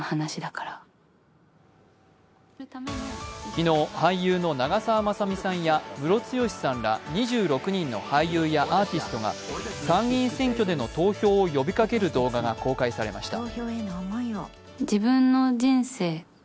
昨日俳優の長澤まさみさんやムロツヨシさんら２６人の俳優やアーティストが参議院選挙での投票を呼びかける動画が公開されました。